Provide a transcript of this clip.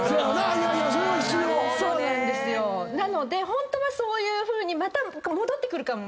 ホントはそういうふうにまた戻ってくるかも。